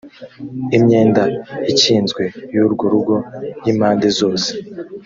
imyenda ikinzwe y urwo rugo y impande zose